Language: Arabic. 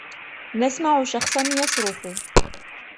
نسمع شخصًا يصرخ.